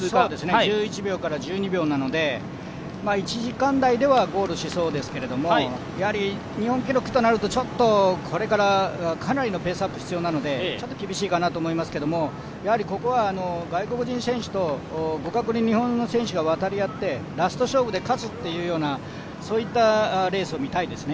１１秒から１２秒なので１時間台ではゴールしそうですけれども、やはり日本記録となるとちょっとこれから、かなりのペースアップ必要なのでちょっと厳しいかなと思いますけども、ここは外国人選手と互角に日本の選手が渡り合ってラスト勝負で勝つっていうようなそういったレースを見たいですね。